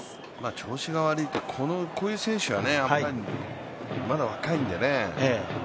調子が悪いと、こういう選手が危ない、まだ若いのでね。